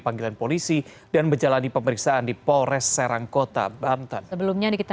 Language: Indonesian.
panggilan polisi dan berjalan di pemeriksaan di pores serangkota banten sebelumnya nikita